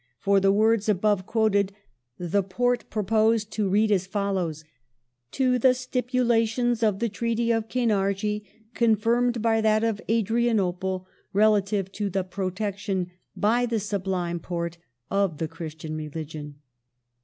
For the words above quoted the Porte proposed to read as follows :" To the stipulations of the Treaty of Kainardji, confirmed by that of Adrianople, relative to the protection by the Sublime Porte of the Christian religion